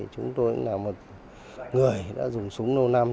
chúng tôi là một người đã dùng súng lâu năm